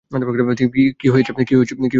কি হয়েছিল বলুন তো।